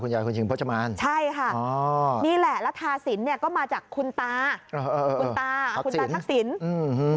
คุณยายคุณชิงพจมานใช่ค่ะนี่แหละแล้วทาศิลป์เนี่ยก็มาจากคุณตาคุณตาคุณตานักศิลป์